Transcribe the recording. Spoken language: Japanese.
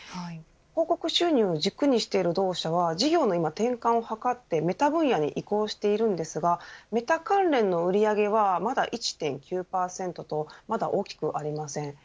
広告収入を軸にしている同社は事業の今、転換を図ってメタ分野に移行しているんですがメタ関連の売り上げはまだ１．９％とまだ大きくありません。